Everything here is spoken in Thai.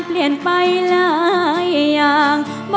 แสนสองครับผมแสนสองครับผม